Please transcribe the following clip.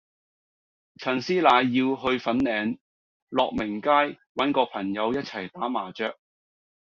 陳師奶要去粉嶺樂鳴街搵個朋友一齊打麻雀